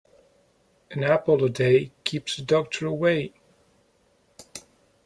An apple a day keeps the doctor away.